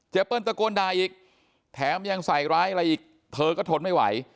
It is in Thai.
เปิ้ลตะโกนด่าอีกแถมยังใส่ร้ายอะไรอีกเธอก็ทนไม่ไหว